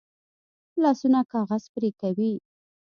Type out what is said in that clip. لاسونه کاغذ پرې کوي